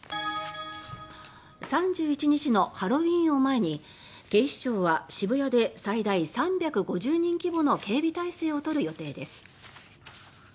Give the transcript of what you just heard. ３１日のハロウィーンを前に警視庁は渋谷で最大３５０人規模の警備態勢を取る予定です。